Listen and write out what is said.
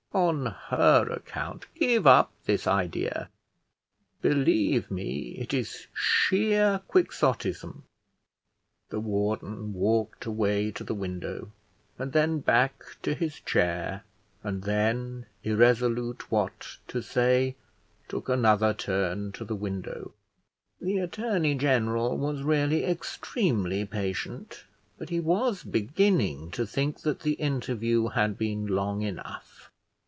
On her account give up this idea. Believe me, it is sheer Quixotism." The warden walked away to the window, and then back to his chair; and then, irresolute what to say, took another turn to the window. The attorney general was really extremely patient, but he was beginning to think that the interview had been long enough.